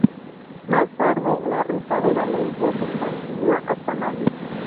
Más tarde la ruta de Valencia se continúa hasta Madrid.